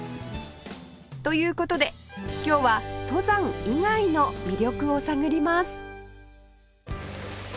という事で今日は登山以外の魅力を探ります